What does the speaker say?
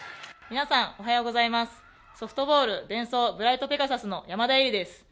皆さん、おはようございますソフトボール、デンソーブライトペガサスの山田恵里です。